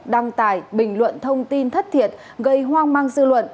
đăng tải bình luận thông tin thất thiệt gây hoang mang dư luận